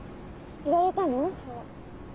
言われたのそう？